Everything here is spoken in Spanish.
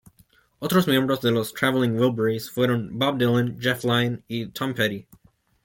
Otros miembros de los Traveling Wilburys fueron Bob Dylan, Jeff Lynne y Tom Petty.